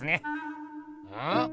うん？